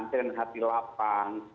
jadikan hati lapang